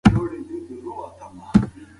معلم صاحب خپل کار په پوره صداقت کاوه.